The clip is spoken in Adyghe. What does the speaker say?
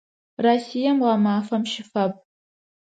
Россием гъэмафэм щыфаб.